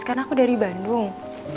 kan aku dari bandung